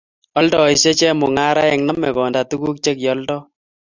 Oldoisiet chemungaraek, nome konda tuguk che kioldoi